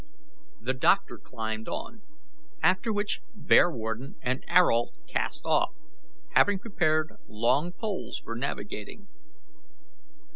The doctor climbed on, after which Bearwarden and Ayrault cast off, having prepared long poles for navigating.